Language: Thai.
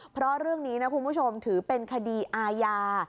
เพราะเรื่องนี้นะคุณผู้ชมถือเป็นคดีอาญา